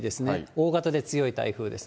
大型で強い台風です。